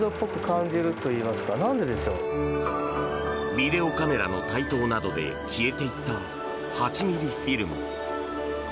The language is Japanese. ビデオカメラの台頭などで消えていった８ｍｍフィルム。